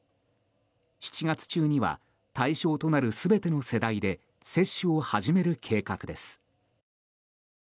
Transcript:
７月中には対象となる全ての世代で接種を始める計画です。